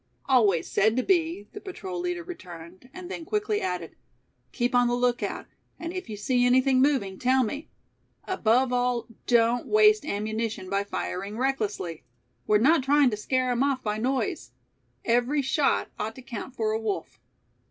"Always said to be," the patrol leader returned, and then quickly added. "Keep on the lookout, and if you see anything moving, tell me. Above all don't waste ammunition by firing recklessly. We're not trying to scare 'em off by noise; every shot ought to count for a wolf."